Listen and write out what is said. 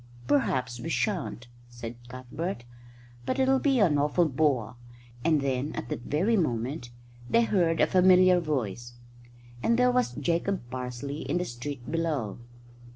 "Perhaps we shan't," said Cuthbert, "but it'll be an awful bore," and then, at that very moment, they heard a familiar voice; and there was Jacob Parsley in the street below.